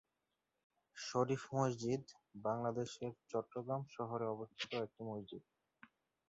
শরীফ মসজিদ বাংলাদেশের চট্টগ্রাম শহরে অবস্থিত একটি মসজিদ।